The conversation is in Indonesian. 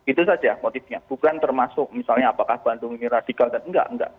itu saja motifnya bukan termasuk misalnya apakah bandung ini radikal dan enggak enggak